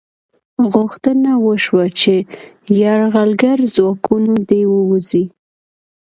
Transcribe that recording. غوښتنه وشوه چې یرغلګر ځواکونه دې ووځي.